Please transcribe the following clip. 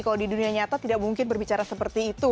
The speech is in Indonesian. kalau di dunia nyata tidak mungkin berbicara seperti itu